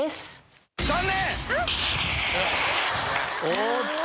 おっと。